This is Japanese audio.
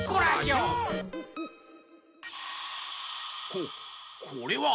ここれは！